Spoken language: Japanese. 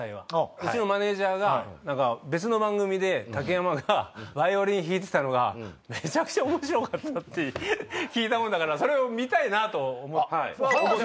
うちのマネジャーが別の番組で竹山がヴァイオリン弾いてたのがめちゃくちゃ面白かったって聞いたもんだからそれを見たいなと思って。